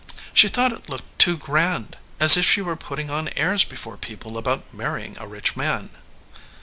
"She thought it looked too grand as if she were 196 SOUR SWEETINGS putting on airs before people about marrying a rich man."